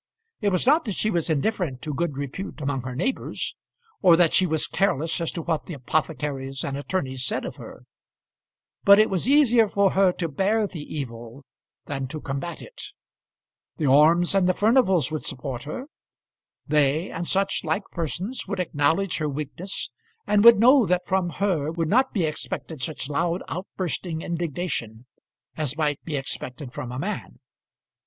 It was not that she was indifferent to good repute among her neighbours, or that she was careless as to what the apothecaries and attorneys said of her; but it was easier for her to bear the evil than to combat it. The Ormes and the Furnivals would support her. They and such like persons would acknowledge her weakness, and would know that from her would not be expected such loud outbursting indignation as might be expected from a man.